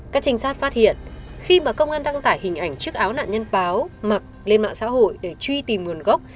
các trinh sát phát hiện khi mà công an đăng tải hình ảnh chiếc áo nạn nhân báo mặc lên mạng xã hội để truy tìm nguồn gốc